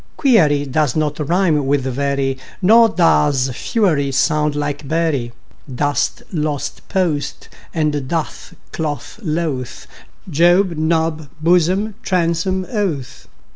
Query does not rime with very, Nor does fury sound like bury. Dost, lost, post and doth, cloth, loth; Job, Job, blossom, bosom, oath.